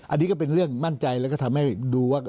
อันนี้ก็เป็นเรื่องมั่นใจแล้วก็ทำให้ดูว่า